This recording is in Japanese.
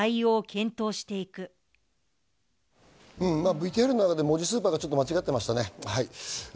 ＶＴＲの中で文字スーパーが間違っていましたね。